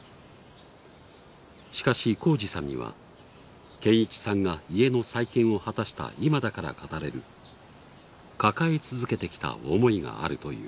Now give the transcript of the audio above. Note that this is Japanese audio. しかし公二さんには堅一さんが家の再建を果たした今だから語れる抱え続けてきた思いがあるという。